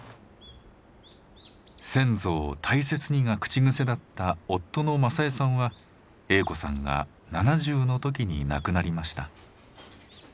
「先祖を大切に」が口癖だった夫の政衛さんは栄子さんが７０の時に亡くなりました。